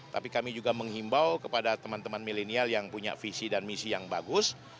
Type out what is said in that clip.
tapi kami juga menghimbau kepada teman teman milenial yang punya visi dan misi yang bagus